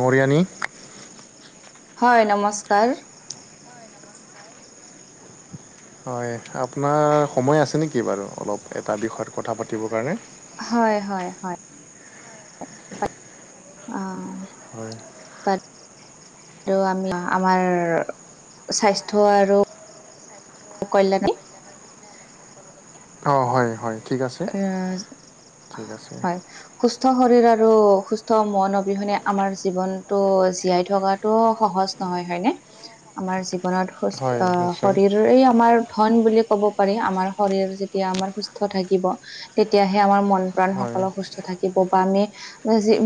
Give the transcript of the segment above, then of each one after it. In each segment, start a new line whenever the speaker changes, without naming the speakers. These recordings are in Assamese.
মৰিয়ণী
হয়, নমস্কাৰ।
হয় আপোনাৰ সময় আছে নেকি বাৰু, অলপ এটা বিষয়ত কথা পাতিবৰ কাৰণে।
হয়, হয়, হয়, [inaudible] অ,
হয়।
[inaudible] আৰ, আমি আমা, স্বাস্থ্য আৰু [unintelligible]
অঁ হয় হয় ঠিক আছে
অ
ঠিক আছে
হয় সুস্থ শৰীৰ আৰু সুস্থ মন অবিহনে আমাৰ জীৱনতটো জীয়াই থকাত ত সহজ নহয় হয় নে আমাৰ জীৱনত
হয়
সুস্থ
নিশ্চয়
শৰীৰ ৰে আমাৰ ধন বুলি ক'ব পাৰি আমাৰ শৰীৰ যেতিয়া আমাৰ সুস্থ থাকিব তেতিয়াহে আমাৰ মন প্ৰাণ
হয়
সকলো সুস্থ থাকিব বা আমি যি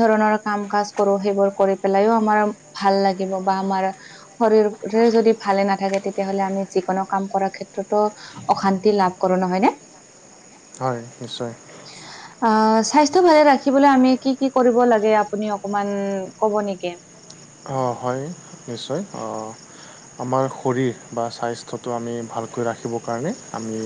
ধৰণৰ কাম কাজ কৰো সেইবোৰ কৰি পেলাইও আমাৰ ভাল লাগিব বা আমাৰ শৰীৰৰে যদি ভালে নাথাকে তেতিয়াহ'লে আমি যিকোনো কাম কৰাৰ ক্ষেত্ৰতো অশান্তি লাভ কৰো নহয় ন
হয় নিশ্চয়
অ স্বাস্থ্য ভালে ৰাখিবলে আমি কি কি কৰিব লাগে আপুনি অকমান কব নেকি
অঁ হয় নিশ্চয় অঁ আমাৰ শৰীৰ বা স্বাস্থ্যটো আমি ভালকৈ ৰাখিবৰ কাৰণে আমি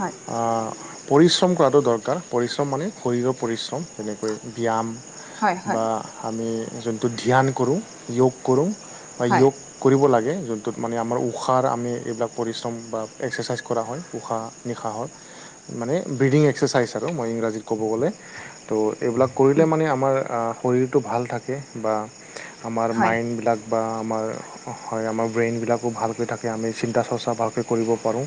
হয়
আহ পৰিশ্ৰম কৰাটো দৰকাৰ পৰিশ্ৰম মানে শৰীৰৰ পৰিশ্ৰম যেনেকৈ ব্যায়াম
হয় হয়
বা আমি যোনটো ধ্যান কৰোঁ যোগ কৰোঁ বা
হয়
যোগ কৰিব লাগে যোনটোত মানে আমাৰ উষাৰ আমি এইবিলাক পৰিশ্ৰম বা এক্সাৰচাইজ কৰা হয় উষাহ নিশাহৰ মানে ব্ৰিডিং এক্সাৰচাইজ আৰু মই ইংৰাজী ক'ব গ'লে ত' এইবিলাক কৰিলে মানে আমাৰ শৰীৰটো ভাল থাকে বা আমাৰ
হয়
মাইণ্ডবিলাক বা আমাৰ হয় আমাৰ ব্ৰেইনবিলাকো ভালকৈ থাকে আমি চিন্তা চৰ্চা ভালকৈ কৰিব পাৰোঁ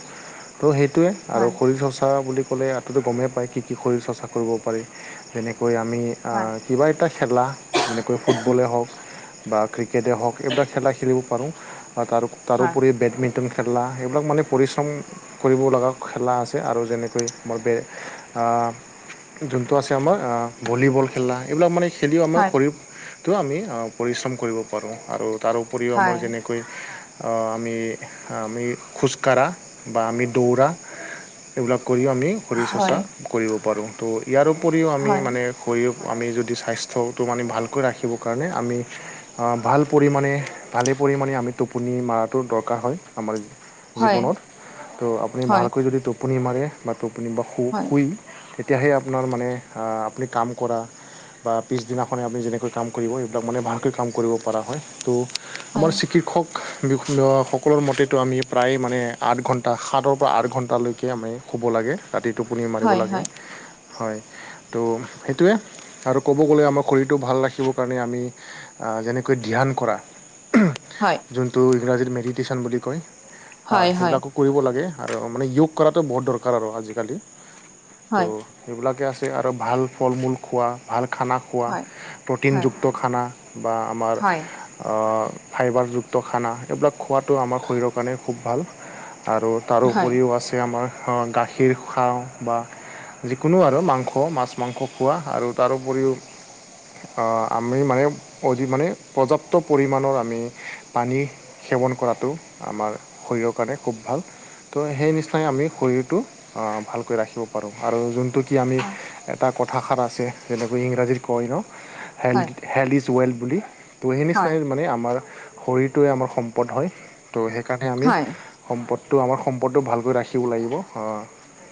ত' সেইটোৱে আৰু
হয়
শৰীৰ চৰ্চা বুলি ক'লে আততো গমেই পায় কি কি শৰীৰ চৰ্চা কৰিব পাৰি যেনেকৈ আমি
হয়
কিবা এটা খেলা যেনেকৈ ফুটবলেই হওক বা ক্ৰিকেটেই হওক এইবিলাক খেলা খেলিব পাৰোঁ
হয়
তাৰোপৰি বেডমিন্ট নতুন খেলা সেইবিলাক মানে পৰিশ্ৰম কৰিব লগা খেলা আছে আৰু যেনেকৈ আমাৰ যোনটো আছে আমাৰ ভলীবল খেলা এইবিলাক মানে খেলিও আমাৰ
হয়
শৰীৰটো আমি পৰিশ্ৰম কৰিব পাৰোঁ আৰু তাৰ উপৰিও আমাৰ
হয়
যেনে আমি আমি খোজকাঢ়া বা আমি দৌৰা এইবিলাক কৰিও আমি শৰীৰ চৰ্চা
হয়
কৰিব পাৰোঁ ত' ইয়াৰ উপৰিও আমি
হয়
মানে শৰীৰ আমি যদি স্বাস্থ্যটো মানে ভালকৈ ৰাখিবৰ কাৰণে আমি আহ ভাল পৰিমামানে ভালে পৰিমাণে আমি টোপনি মৰাটো দৰকাৰ হয় আমাৰ
হয়
জীৱনত ত' আপুনি
হয়
ভালকৈ যদি টোপনি মাৰে বা টোপনি বা শু
হয়
শুই তেতিয়াহে আপোনাৰ মানে আপুনি কাম কৰা বা পিছদিনাখনে আপুনি যেনেকৈ কাম কৰিব এইবিলাক মান ভাল কাম কৰিব পৰা হয় ত' আমাৰ
হয়
চিকিৎ্ষক বিন্ সকলৰ মতেতো আমি প্ৰায় মানে আঠ ঘণ্টা সাতৰ পৰা আঠ ঘণ্টালৈকে আমি শুব লাগে ৰাতি টোপনি মাৰিব লাগে হয় ত' সেইটোৱে আৰু ক'ব গ'লে আমাৰ শৰীৰটো ভাল ৰাখিবৰ কাৰণে আমি যেনেকৈ ধ্যান কৰা
হয়
যোনটো ইংৰাজীত মেডিটেশ্যন বুলি কয় হয় সেইবিলাকক কৰিব লাগে আৰু মানে যয়োগ কৰাটো বহুত দৰকাৰ আৰু আজিকালি
হয়
ত' সেইবিলাকে আছে আৰু ভাল ফল মূল খোৱা ভাল খানা
হয়
খোৱা
হয় হয়
প্ৰ'টিনযুক্ত খানা বা আমাৰ
হয়
অ ফাইবাৰযুক্ত খানা এইবিলাক খোৱাটো আমাৰ শৰীৰৰ কাৰণে খুব ভাল আৰু
হয় হয়
তাৰোউপৰিও আছে আমাৰ আ গাখ খীৰ খাওঁ বা যিকোনো আৰু মাংস, মাছ-মাংস খোৱা আৰু তাৰোউপৰিও আ আমি মানে অধিক মানে পৰ্যাপ্ত পৰিমাণৰ আমি পানী সেৱন কৰাটো আমাৰ শৰীৰৰ কাৰণে খুব ভাল। ত' সেই নিচিনাকে আমি শৰীৰটো আ ভালকৈ ৰাখিব পাৰোঁ আৰু যোনটো কি আমি এটা কথাষাৰ আছে যেনেকৈ ইংৰাজীত কয় ন'? Health health is to well বুলি। ত ' সেই
হয় হয় হয়
নিচিনাকে মানে আমাৰ শৰীৰটোৱে আমাৰ সম্পদ হয়। ত' সেইকাৰণে আমি
হয়
সম্পদটো, আমাৰ সম্পদটো ভালকৈ ৰাখিব লাগিব। আ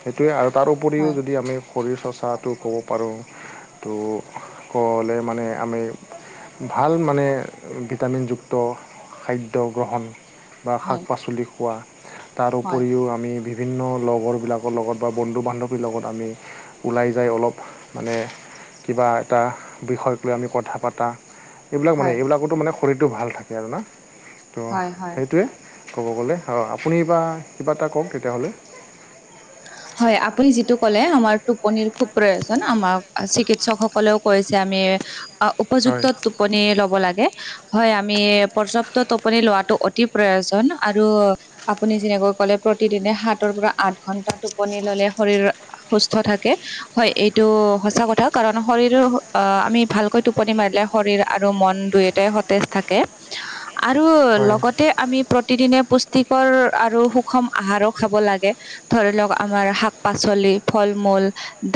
সেইটোৱে আৰু তাৰ উপৰিও যদি
হয়
আমি শৰীৰ চৰ্চাটো ক'ব পাৰোঁ, তো কবলে মানে আমি,,, ভাল, মানে ভিটামিনযুক্ত খাদ্য গ্ৰহণ। বা শাক-পাচলি খোৱা, তাৰ উপৰিও আমি বিভি,,, বিভিন্ন লগৰবিলাকৰ লগত বা বন্ধু-বান্ধৱীৰ লগত আমি ওলাই যায় অলপ মানে কিবা এটা বিষয়ক লৈ আমি কথা পাত এটা এইবিলাক মানে
হয়
এইবিলাকটো মানে শৰীৰটো ভাল থাকে আৰু না? তো,
হয় হয়
সেইটোৱে ক'ব গলে, অ, আপুনি এইবা কিবা এটা কওক তেতিয়া হ'লে।
হয়, আপুনি যিটো ক'লে, আমাৰ টোপনিৰ খুব প্ৰয়োজন। আমাৰ চিকিৎসক সকলেও কৈছে। আমি অ উপযুক্ত
হয়
টোপ টোপনি লব লাগে। হয়, আমি পৰ্যাপ্ত টোপনি লোৱাটো অতি প্ৰয়োজন আৰু আপুনি যেনেকৈ কলে, প্ৰতিদিনে সাতৰ পৰা আঠ ঘন্টা টোপনি ল'লে শৰীৰৰ সুস্থ থাকে। হয়, এইটো সঁচা কথা কাৰণ শৰীৰৰ আ আমি ভালকৈ টো টোপনি মাৰিলে শৰীৰ আৰু মন দুইটাই সতেজ থাকে।
[unintelligible]
আৰু
হয়
লগত তে আমি প্ৰতিদিনে পুষ্টিকৰ আৰু সুষম আহাৰো খাব লাগে। ধৰিলওক আমাৰ শাক-পাচলি, ফল-মূল,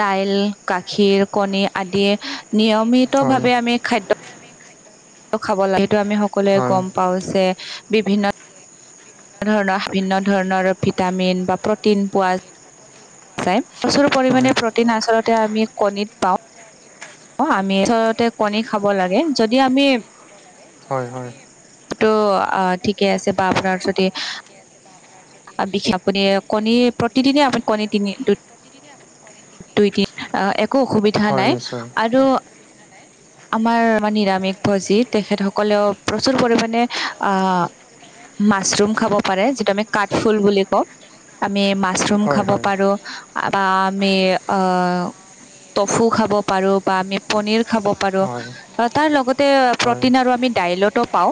দাইল, গাখীৰ, কণী আদিয়ে
হয়
নিয়মিতভাৱে আমি খাদ্য দ্য খাব লাগে। সেইটো আমি সকলোৱে
হয়
গম পাওঁ যে বিভিন্ন ধৰণৰ, বিভিন্ন ধৰণৰ ভিটামিন বা প্ৰ'টিন পোৱা যায়। প্ৰচুৰ
হয়
পৰিমানে প্ৰ'টিন আচলতে আমি কণীত পাওঁ। অঁ, আমি আচলতে কণী খাব লাগে। যদি আমি
হয়, হয়।
এইটো আ--ঠিকেই আছে বা আপোনাৰ যদি আ বিশেষ আপুনি কণী প্ৰতিদিনে আপুনি কণী তিনি, দু দুই দি আ একো অসুবিধা নাই আৰু
অসুবিধা নাই।
আমাৰ নিৰামিষ ভোজী তেখেতসকলেও প্ৰচুৰ পৰিমানে আঁ মাচৰুম খাব পাৰে যিটো আমি কাঠফুল বুলি কওঁ। আমি মা মাচৰুম
হয়
খাব
হয়
পাৰো বা আমি আ টফু খাব পাৰো বা আমি পনীৰ খাব পাৰো
আৰু নেমু পানী চেনি
অ তাৰ লগতে
ফল
প্ৰ'টিন আৰু আমি দাইলতো পাওঁ।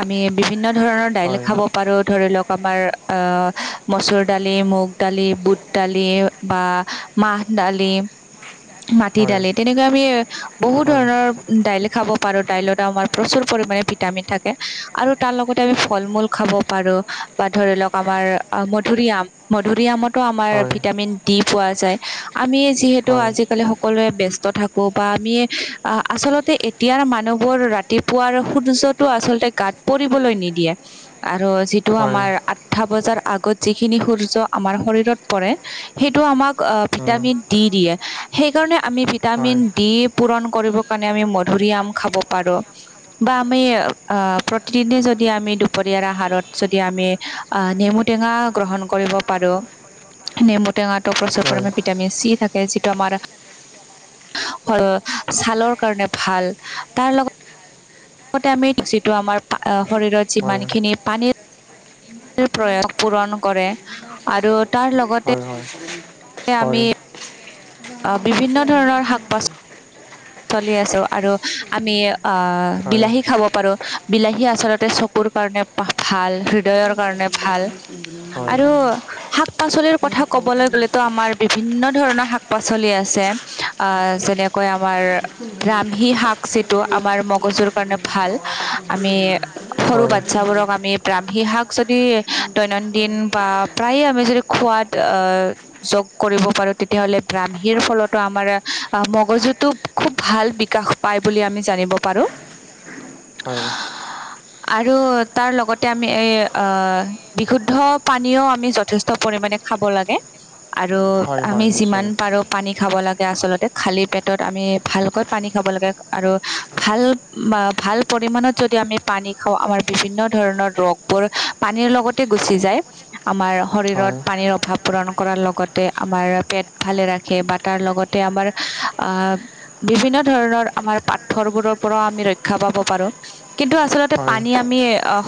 আমি বিভিন্ন ধৰণৰ দাইল
এই
খাব পাৰো ধৰিলওক আমাৰ আঁ মচুৰ দালি, মুগ দালি, বুট দালি বা মাহ, দালি,
প্ৰতিদিনে মতো আমাৰ ভিটামিন
মাটি
ডি পোৱা
দালি তেনেকে আমি বহুত
যায় আমি যিহেতু আজিকালি সকলোৱে ব্যস্ত থাকোঁ বা
ধৰণৰ দাইলে খাব পাৰো, দাইলত আমাৰ প্ৰচুৰ পৰিমাণে ভিটামিন থাকে। আৰু তাৰ লগতে আমি ফল-মূল খাব পাৰোঁ বা, ধৰি লওক আমাৰ মধুৰিআম, মধুৰিআমত ত' আমাৰ ভিটামিন ডি পোৱা যায়। আমি যিহেতু আজিকালি সকলোৱে ব্যস্ত থাকোঁ, বা আমি আহ আচলতে এতিয়াৰ মানুহবোৰ ৰাতিপুৱাৰ সূৰ্য্যত টো আচলতে গাত পৰিবলৈ নিদিয়ে, আৰু যি টো আমাৰ আঠতা বজাৰ আগত যিখিনি সূৰ্য আমাৰ শৰীৰত পৰে, সেইটো আমাক
যিয়ে ডি দিয়ে সেইকাৰণে আমি ডি পূৰণ কৰিব কাৰণে
অ', ভিটামিন দি দিয়ে। সেইকাৰণে আমি ভিটামিন ডি পূৰণ কৰিব কাৰণে আমি মধুৰিআম খাব পাৰোঁ। বা আমি আহ প্ৰতিদিনে যদি আমি দুপৰীয়াৰ আহাৰত যদি আমি আহ নেমু টেঙা গ্ৰহণ কৰিব পাৰোঁ। নেমু টেঙাটো প্ৰচুৰ
হয়
পৰিমাণে ভিটামিন চি থাকে, যিটো আমাৰ ছালৰ কাৰণে ভাল, তাৰ লগত লগতে আমি যিটো আমাৰ শৰীৰত যি
হয়
পানীখিনি, পানীত প্ৰয়োগ পূৰণ কৰে, আৰু তাৰ লগতে
হয় হয়।
এ, আমি
হয়
অ' বিভিন্ন ধৰণৰ শাক-পাচলি চলি আছোঁ আৰু আমি আহ,
হয় হয়
বিলাহী খাব পাৰোঁ। বিলাহী আচলতে চকুৰ কাৰণে ভাল, হৃদয়ৰ কাৰণে ভাল। আৰু শাক-পাচলিৰ কথা কবলৈ গ'লেতো আমাৰ বিভিন্ন ধৰণৰ শাক-পাচলি আছে। অ', যেনেকৈ আমাৰ ব্ৰাহ্মী শাক যিটো আমাৰ মগজুৰ কাৰণে ভাল। আমি সৰু
হয়
বাচ্ছাবোৰক আমি ব্ৰাহ্মী শাক যদি দৈনন্দিন বা প্ৰায়ে আমি যদি খোৱাত আহ যোগ কৰিব পাৰো, তেতিয়াহ'লে ব্ৰাহ্মীৰ ফলতো আমাৰ মগজুত খুব ভাল বিকাশ পায় বুলি আমি জানিব পাৰোঁ।
হয়।
আৰু তাৰ লগতে আমি এই আ বিশুদ্ধ পানীও আমি যথেষ্ট পৰিমানে খাব লাগে, আৰু
হয় হয়
আমি যিমান
নিশ্চয়
পাৰোঁ পানী খাব লাগে। আচলতে খালী পেট টত আমি ভালকৈ পানী খাব লাগে, আৰু ভাল ভাল পৰিমাণত যদি আমি পানী খাওঁ, আমাৰ বিভিন্ন ধৰণৰ ৰোগ বোৰ পানীৰ লগতে গুচি যায়। আমাৰ শৰীৰত
হয়
পানীৰ অভাৱ পূৰণ কৰাৰ লগতে, আমাৰ পেট ভালে ৰাখে বা তাৰ লগত তে আমাৰ আহ, বিভিন্ন ধৰণৰ আমাৰ পাথৰবোৰৰ পৰাও আমি ৰক্ষা পাব পাৰো। কিন্তু আচলতে
হয়
পানী
পেটৰ
আমি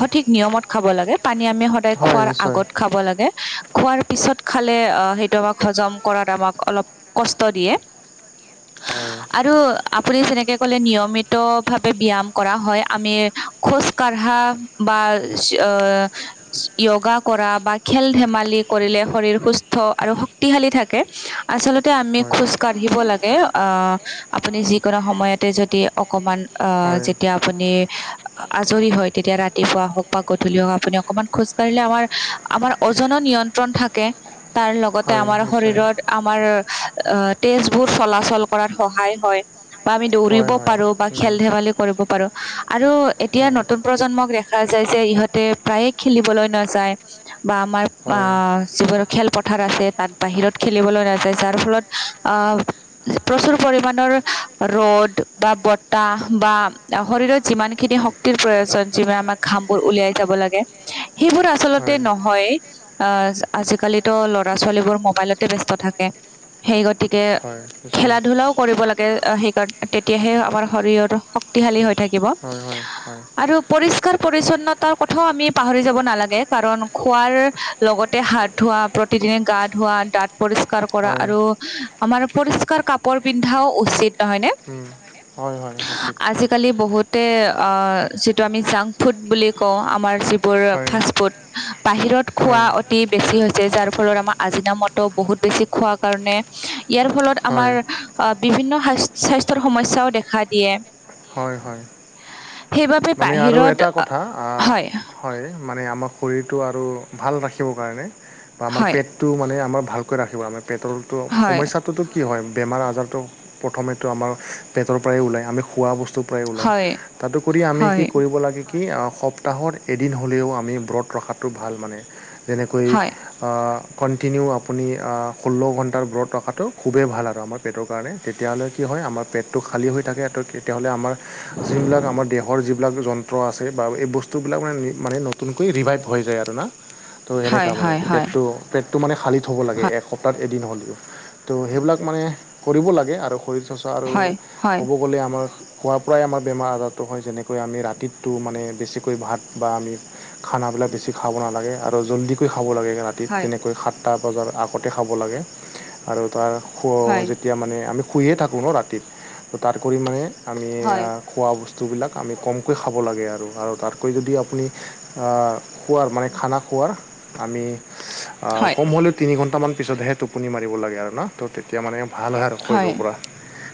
সঠিক নিয়মত খাব লাগে, পানী আমি সদায়
হয়
খোৱাৰ
নিশ্চয়
আগত খাব লাগে। খোৱাৰ পিছত খালে অ' সেইটো আমাক হজম কৰাত আমাক অলপ কষ্ট দিয়ে।
হয়।
আৰু আপুনি যেনেকে ক'লে, নিয়মিত ভাৱে ব্যায়াম কৰা হয়। আমি খোজ কঢ়া বা [unintelligible] য়োগা কৰা বা খেল ধেমালি কৰিলে শৰীৰ সুস্থ আৰু শক্তিশালী থাকে, আচলতে আমি
হয়
খোজ কাঢ়িব লাগে। গে, আহ আপুনি যিকোনো সময়তে যদি অকমান আহ যেতিয়া আপুনি আজৰি হয়, তেতিয়া ৰাতিপুৱা হওক বা গধূলি হওক আপুনি অকনমান খোজ কাঢ়িলে আমাৰ
কৰিলে ওজনৰ নিয়ন্ত্ৰণ থাকে
আমাৰ ওজনৰ নিয়ন্ত্ৰণ থাকে তাৰ লগত। আমাৰ শৰীৰত আমাৰ তেজবোৰ চলাচল কৰাত সহায় হয়। বা আমি দৌৰিব পাৰোঁ বা খেল ধেমালি কৰিব পাৰোঁ আৰু
ধেমালি কৰিব
এতিয়া
পাৰোঁ আৰু
নতুন প্ৰজন্মক দেখা যায় যে ইহঁতে প্ৰায়ে খেলিবলৈ নাযায়। বা আমাৰ
আ যিবোৰ
আহ যিবোৰ খেলপথাৰ আছে তাত বাহিৰত খেলিবলৈ নাযায় যাৰ ফলত। আহ প্ৰচুৰ পৰিমাণৰ ৰ'দ বা বতাহ বা শৰীৰত যিমান খিনি প্ৰয়োজন যি বোৰে আমাৰ ঘাম বোৰ উলিয়াই যাব লাগে সেইবোৰ আচলতে নহয়। আহ আজিকালিটো ল'ৰা ছোৱালীবোৰ মোবাইলতে ব্যস্ত থাকে সেই গতিকে।
নহয়ে গতিকে
খেলা ধূলাও কৰিব লাগে আমি। তেতিয়াহে আমাৰ শৰীৰৰ শক্তিশালী হৈ থাকিব।
হয় হয়
আৰু পৰিষ্কাৰ পৰিচ্ছন্নতাৰ কথাও আমি পাহৰি যাব নালাগে কাৰণ খোৱাৰ। লগতে হাত ধোৱা প্ৰতিদিনে গা ধোৱা দাঁত পৰিষ্কাৰ কৰা আৰু আমা পৰিষ্কাৰ কাপোৰ পিন্ধাও উচিত নহয় নে
হয় হয় উচিত
আজিকালি আজিকালি বহুতে যিটো আমি জাংক ফুড বুলি কওঁ আমাৰ যিবোৰ
হয়
ফাষ্ট ফুড। বাহিৰত খোৱা
হয়
অতি বেছি হৈছে যাৰ ফলত আমাৰ আজিনা মত বহুত বেছি খোৱা কাৰণে ইয়াৰ ফলত আমাৰ
হয়।
বিভিন্ন সা স্বাস্থ্যৰ সমস্যাও দেখা দিয়ে।
হয় হয়
সেইবাবে
মানে আৰু
বাহিৰত
এটা
আ-
কথা আহ
হয়
হয় মানে আমাৰ শৰীৰটো আৰু ভাল ৰাখিবৰ কাৰণে বা আমাৰ
হয়
পেট টো মানে আমাৰ ভালকৈ ৰাখিব আমাৰ পেটৰটো
হয়
সমান তো কি হয় বেমাৰ আজাৰটো প্ৰথমেতো আমাৰ পেটৰ পৰাই ওলায় আমি খোৱা বস্তু। পেটৰ পৰাই ওলাই
হয়
আমি কি
হয়
কৰিব লাগে কি সপ্তাহত এদিন হ'লেও আমি ব্ৰত ৰখাটো ভাল মানে। যেনেকৈ
হয়
কণ্টিনিউ আপুনি ষোল্ল ঘণ্টাৰ ব্ৰত ৰখাটো খুবেই ভাল আৰু আমাৰ। পেটৰ কাৰণে তেতিয়াহ'লে কি হয় আমাৰ পেটটো খালী হৈ থাকে তেতিয়াহ'লে আমাৰ যিবিলাক আমাৰ দেহৰ যিবিলাক যন্ত্ৰ আছে বা এই বস্তুবিলাক মানে মানে নতুনকৈ ৰিভাইভ হৈ যায় আৰু না। তো
হয়
সেনেকুৱা মানে
হয় হয়
পেটটো পেটটো মানে খালি থ'ব লাগে এসপ্তাহত এদিন হ'লেও তো সেইবিলাক মানে কৰিব লাগে আৰু আৰু
হয় হয়
ক'ব গ'লে আমাৰ খোৱাৰ পৰাই আমাৰ বেমাৰ আজাৰটো যেনেকৈ আমি ৰাতিটো মানে বেছিকৈ ভাত বা আমি খানাবিলাক বেছি খাব নালাগে আৰু জল্দি কৈ খাব লাগে
হয়
তেনেকৈ সাতটা বজাৰ আগতে খাব লাগে আৰু তাৰ
হয় হয়
শোৱা এতিয়া মানে আমি শুয়েই থাকোঁ ন ৰাতি ত' তাৰ কৰি মানে আমি
হয়
খোৱা বস্তুবিলাক আমি কমকৈ খাব লাগে আৰু আৰু তাতকৈ যদি আপুনি খোৱাৰ মানে খানা খোৱাৰ আমি। অ কম হ'লেও তিনগ ঘন্টা মান পিছতহে টোপনি মাৰিব লাগে আৰু ন। তেতিয়া মানে ভাল হয় আৰু শৰীৰৰ পৰা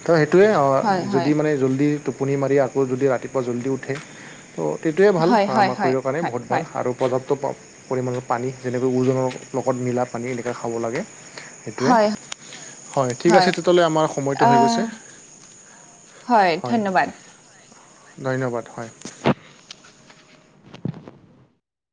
তো সেইটোৱে
হয় হয়
যদি মানে জল্দি টোপনি মাৰি আকৌ যদি ৰাতিপুৱা জল্দি উঠে ত' সেইটোৱে ভাল
হয় হয়
আমাৰ
হয় হয়
শৰীৰৰ কাৰণে
হয়
বহুত ভাল আৰু পৰ্যাপ্ত পৰিমাণৰ পানী যেনেকৈ ওজনৰ লগত মিলা পানী এনেকৈ খাব লাগে। সেইটোৱে
হয়
হয় ঠিক আছে তেতিয়াহ'লে আমাৰ সময়টো
আ
হৈ গৈছে।
হয় ধন্যবাদ।
ধন্যবাদ হয়।